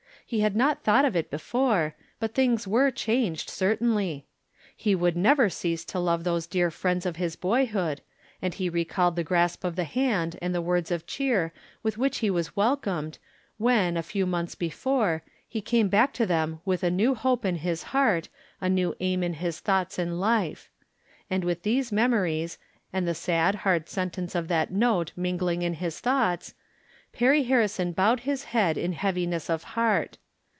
He had not thought of it before, but things were changed, certainly. He would never cease to love those dear friends of his boyhood, and he recalled the grasp of the hand and the words of cheer with which he was welcomed when, a few months be From Different Standpoints. 183 fore, he came back to them with a new hope in his heart, a new aim in his thoughts and life ; and witia these memories, and tlie sad, hard sentence of that note mingling in his thoughts. Perry Har rison bowed his head in heaviness of heart.